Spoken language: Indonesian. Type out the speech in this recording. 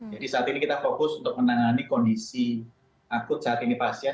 jadi saat ini kita fokus untuk menangani kondisi akut saat ini pasien